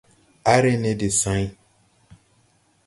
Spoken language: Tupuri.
À re ne de sãy.